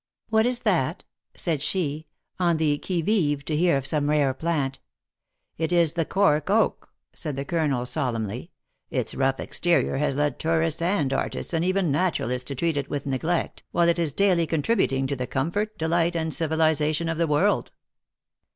" What is that ?" said she, on the qui vive to hear of some rare plant. "It is the cork oak," said the colonel, solemnly. "Its rough exterior has led tourists and artists, and 34 THE ACTRESS IN HIGH LIFE. even naturalists, to treat it with neglect, while it is daily contributing to the comfort, delight, and civili zation of the world."